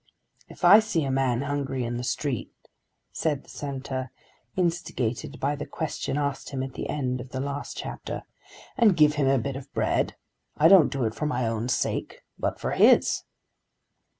"If I see a man hungry in the street," said the Senator, instigated by the question asked him at the end of the last chapter, "and give him a bit of bread, I don't do it for my own sake but for his."